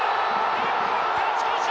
勝ち越し！